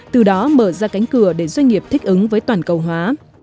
từ đó mở ra cánh cửa để doanh nghiệp thích ứng với toàn cầu hóa